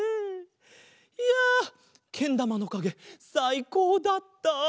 いやけんだまのかげさいこうだった。